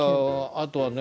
あとはね